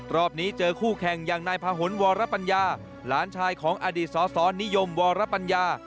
รอบนี้เจอคู่แข่งอย่างนายพาหนวรปัญญาหลานชายของอดีตสสนิยมวรปัญญา